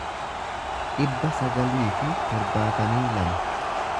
dhibba sagalii fi torbaatamii lama